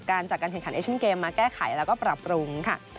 ประสบการณ์จากการแข่งขันเอเชียนเกมมาแก้ไขแล้วก็ปรับปรุงค่ะ